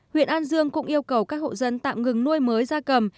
huyện an dương cũng yêu cầu các hộ dân tạm ngừng nuôi mới da cầm